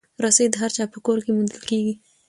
رسۍ د هر چا په کور کې موندل کېږي.